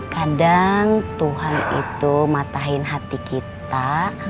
kadang tuhan itu matahin hati kita